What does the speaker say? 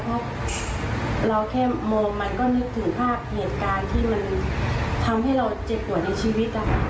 เพราะเราแค่มองมันก็นึกถึงภาพเหตุการณ์ที่มันทำให้เราเจ็บปวดในชีวิต